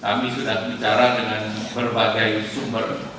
kami sudah bicara dengan berbagai sumber